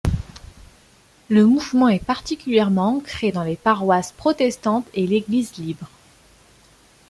Le mouvement est particulièrement ancré dans les paroisses protestantes et l'Église libre.